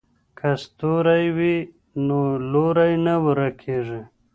که ستوری وي نو لوری نه ورکیږي.